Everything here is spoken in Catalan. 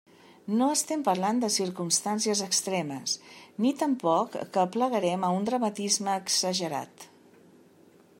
No estem parlant de circumstàncies extremes, ni tampoc que aplegaren a un dramatisme exagerat.